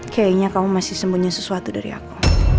kayaknya kamu masih sembunyi sesuatu dari aku